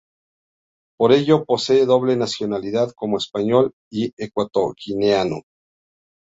Por ello, posee doble nacionalidad como español y ecuatoguineano.